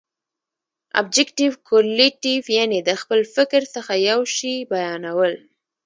ابجګټف کورلیټف، یعني د خپل فکر څخه یو شي بیانول.